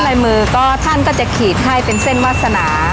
ลายมือก็ท่านก็จะขีดให้เป็นเส้นวาสนา